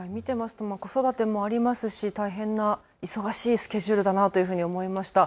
子育てもありますし、忙しいスケジュールだなと思いました。